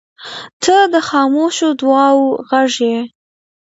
• ته د خاموشو دعاوو غږ یې.